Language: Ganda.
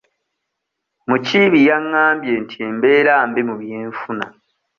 Mukiibi yangambye nti embeera mbi mu byenfuna.